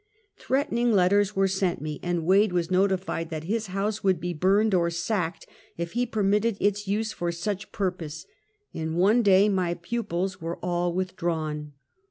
Threatening let ters were sent me, and Wade was notified that his house would be burned or sacked, if he permitted its use for such purpose. In one day my pupils were all withdrawn.